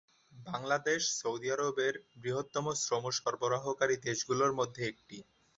Bangladesh Saudi আরবের বৃহত্তম শ্রম সরবরাহকারী দেশগুলির মধ্যে একটি।